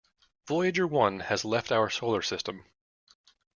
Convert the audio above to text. Voyager One has left our solar system.